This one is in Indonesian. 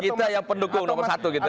kita yang pendukung nomor satu gitu